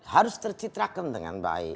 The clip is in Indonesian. harus tercitrakan dengan baik